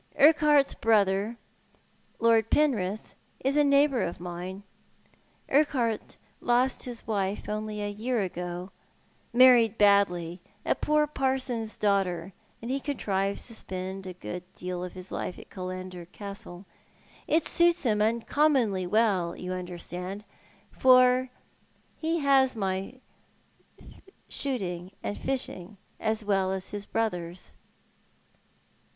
" Urquhart's brother, Lord Penrith, is a neighbour of mine. Urquhart lost his wife only a year ago — married badly, a poor parson's daughter — and he contrives to spend a good deal of his life at Killander Castle. It suits If it could have been. 59 him uncommonly ■well, you understand ; for lie Las my shooting and fishing as well as his brother's."